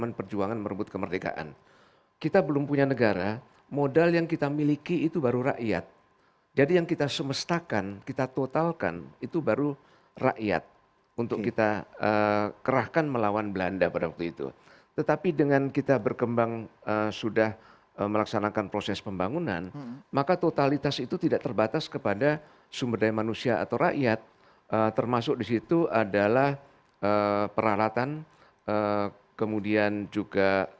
apalagi kau membela andek andek asing